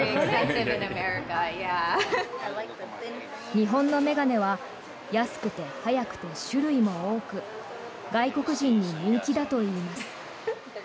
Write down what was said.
日本の眼鏡は安くて早くて種類も多く外国人に人気だといいます。